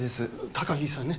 高城さんね